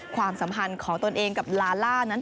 ความสัมพันธ์ของตนเองกับลาล่านั้น